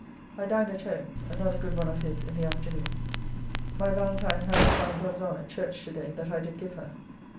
I dined at home; another good one of his in the afternoon. My Valentine had her fine gloves on at church to day that I did give her.